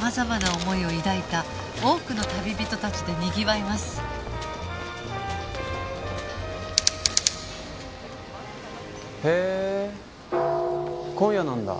様々な思いを抱いた多くの旅人たちで賑わいますへえ今夜なんだ。